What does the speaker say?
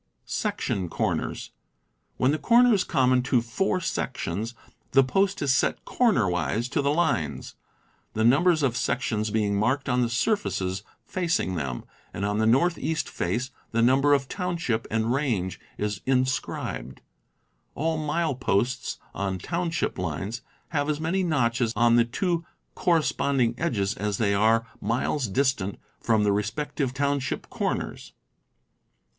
Section Corners. — When the corner is common to four sections, the post is set cornerwise to the lines, the numbers of sections being marked on the surfaces facing them, and on the northeast face the number of township and range is inscribed. All mile posts on township lines have as many notches on the two cor responding edges as they are miles distant from the respective township corners.